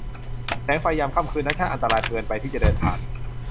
แสงไฟยามค่ำคืนนั้นช่างอันตรายเกินไปที่จะเดินผ่าน